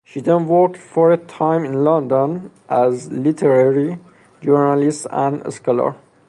She then worked for a time in London as a literary journalist and scholar.